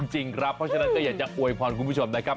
จริงครับเพราะฉะนั้นก็อยากจะอวยพรคุณผู้ชมนะครับ